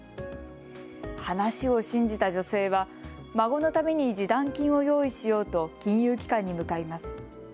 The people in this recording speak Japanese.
話を信じた女性は孫のために示談金を用意しようと金融機関に向かいます。